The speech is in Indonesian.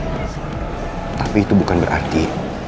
tapi itu bukan berarti